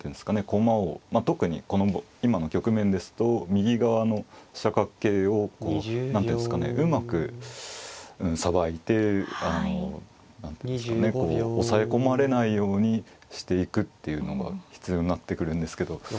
駒を特に今の局面ですと右側の飛車角桂を何ていうんですかねうまくさばいて何ていうんですかね押さえ込まれないようにしていくっていうのが必要になってくるんですけど